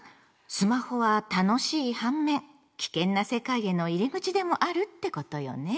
スマホは楽しい反面危険な世界への入り口でもあるってことよね。